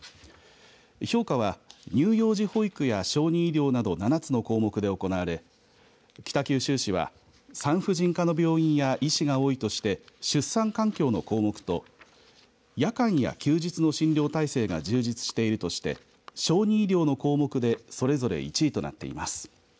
評価は、乳幼児保育や小児医療など７つの項目で行われ北九州市は産婦人科の病院や医師が多いとして出産環境の項目と夜間や休日の診療体制が充実しているとして小児医療の項目でそれぞれ１位となっています。